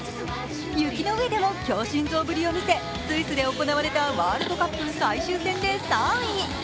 雪の上でも強心臓ぶりを見せスイスで行われたワールドカップ最終戦で３位。